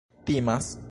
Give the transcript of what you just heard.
timas